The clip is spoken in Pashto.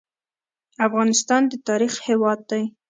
افغانستان د تاریخ هیواد دی